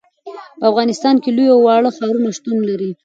په افغانستان کې لوی او واړه ښارونه شتون لري.